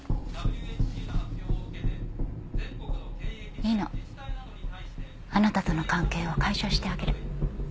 いいの。あなたとの関係を解消してあげる。